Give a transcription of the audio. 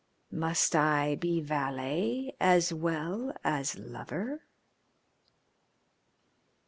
"Must I be valet, as well as lover?"